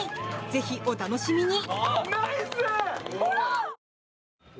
ぜひ、お楽しみに！